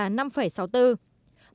môn vật lý có điểm trung bình